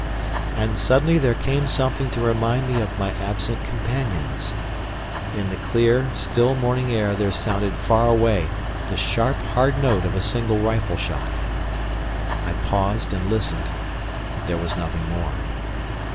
And suddenly there came something to remind me of my absent companions. In the clear, still morning air there sounded far away the sharp, hard note of a single rifle shot. I paused and listened, but there was nothing more.